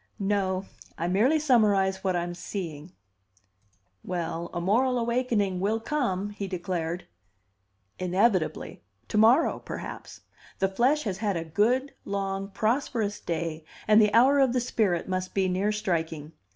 "No. I merely summarize what I'm seeing." "Well, a moral awakening will come," he declared. "Inevitably. To morrow, perhaps. The flesh has had a good, long, prosperous day, and the hour of the spirit must be near striking.